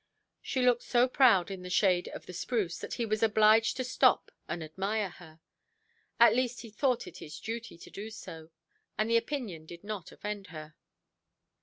She looked so proud in the shade of the spruce, that he was obliged to stop and admire her. At least he thought it his duty to do so, and the opinion did not offend her.